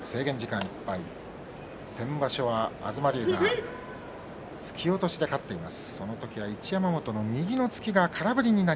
先場所は東龍が突き落としで勝っています。